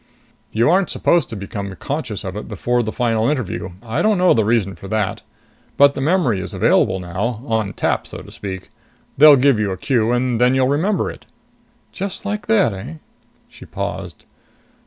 "You aren't supposed to become conscious of it before the final interview I don't know the reason for that. But the memory is available now. On tap, so to speak. They'll give you a cue, and then you'll remember it." "Just like that, eh?" She paused.